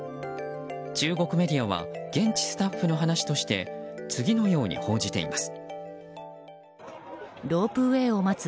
中国メディアは現地スタッフの話として次のように報じています。